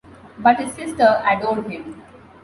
But his sister adored him.